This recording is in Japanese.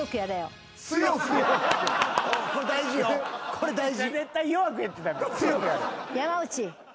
これ大事。